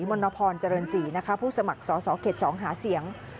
มณภรเจริญศรีผู้สมัครสอบสอบ๒๒หาเสียง